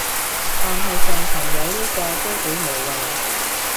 但係上層有呢個都幾無謂